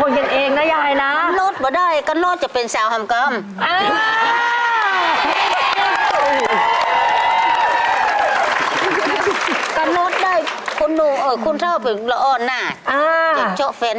คนกันเองลดกันได้ลดได้ไม่เป็นไรคนกันเองนะยายนะ